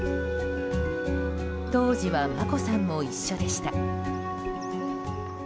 当時は眞子さんも一緒でした。